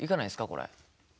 これ。